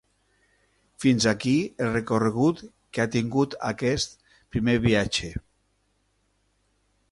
Fins aquí el recorregut que ha tingut aquest “primer viatge”.